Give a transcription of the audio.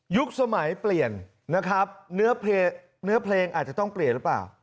สมัยเปลี่ยนนะครับเนื้อเพลงอาจจะต้องเปลี่ยนหรือเปล่า